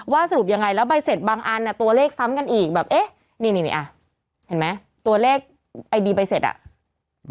สรุปยังไงแล้วใบเสร็จบางอันอ่ะตัวเลขซ้ำกันอีกแบบเอ๊ะนี่นี่อ่ะเห็นไหมตัวเลขไอดีใบเสร็จอ่ะ